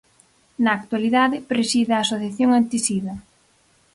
Na actualidade, preside a Asociación Antisida.